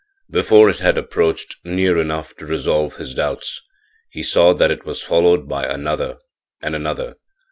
Before it had approached near enough to resolve his doubts he saw that it was followed by another and another.